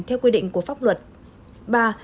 theo quy định của pháp luật